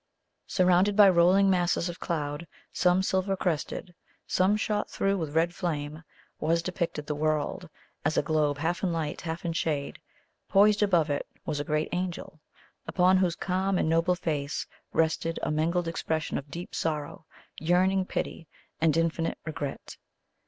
Surrounded by rolling masses of cloud, some silver crested, some shot through with red flame, was depicted the World, as a globe half in light, half in shade. Poised above it was a great Angel, upon whose calm and noble face rested a mingled expression of deep sorrow, yearning pity, and infinite regret.